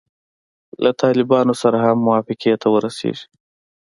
له طالبانو سره هم موافقې ته ورسیږي.